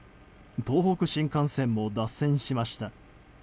東北新幹線も脱線しました。